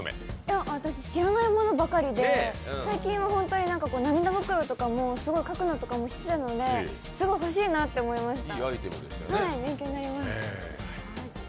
私、知らないものばかりで最近は涙袋とかもすごい描くとかのも知ってたのですごい欲しいなと思いました。